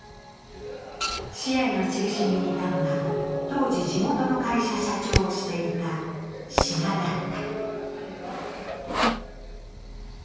支援の中心にいたのが、当時、地元の会社社長をしていた志賀だった。